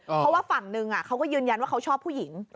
เพราะว่าฝั่งหนึ่งเขาก็ยืนยันว่าเขาชอบผู้หญิง